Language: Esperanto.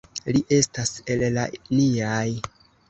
Li estas el la niaj.